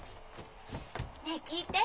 ねえ聞いて。